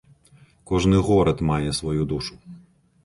Кожны горад мае сваю душу.